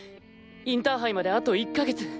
インターハイまであと１か月。